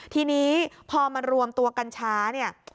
ทีนี้พอมารวมตัวกันช้าเนี่ย